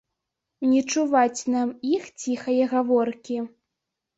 Не чуваць нам іх ціхае гаворкі.